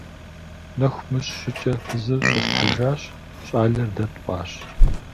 Нэху мыщ щӀыкӀэ фызыр щӀэслъхьэжащ, щӀалэр дэ тпӀащ.